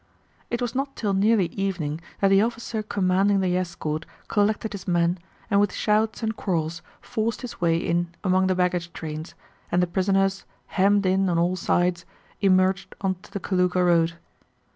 It was not till nearly evening that the officer commanding the escort collected his men and with shouts and quarrels forced his way in among the baggage trains, and the prisoners, hemmed in on all sides, emerged onto the Kalúga road.